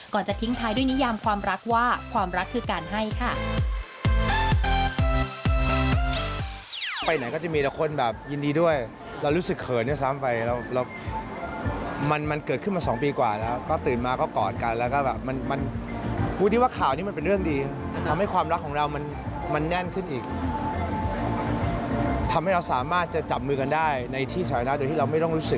จะทิ้งท้ายด้วยนิยามความรักว่าความรักคือการให้ค่ะ